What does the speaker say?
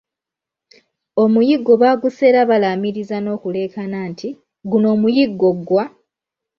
Omuyiggo bagusera balamiiriza nokuleekana nti 'guno omuyiggo gwa.